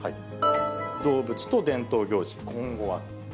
動物と伝統行事、今後はと。